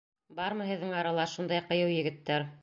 Бармы һеҙҙең арала шундай ҡыйыу егеттәр?